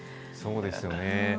そうですよね。